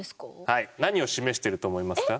はい何を示してると思いますか？